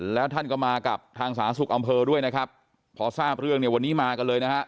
แล้วท่านก็มากับทางสาธารณสุขอำเภอด้วยนะครับพอทราบเรื่องเนี่ยวันนี้มากันเลยนะฮะ